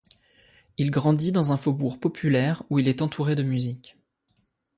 Il grandit dans un faubourg populaire où il est entouré de musique.